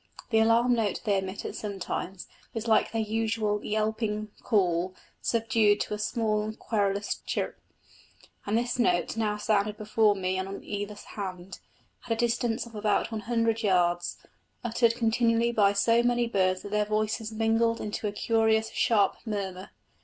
The alarm note they emit at such times is like their usual yelping call subdued to a short, querulous chirp; and this note now sounded before me and on either hand, at a distance of about one hundred yards, uttered continually by so many birds that their voices mingled into a curious sharp murmur.